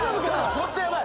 ホントやばい！